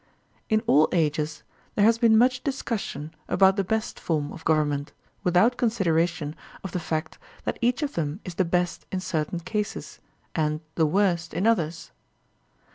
In all ages there has been much discussion about the best form of government, without consideration of the fact that each of them is the best in certain cases, and. the worst in others.